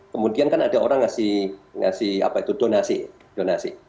kemudian kan ada orang ngasih apa itu donasi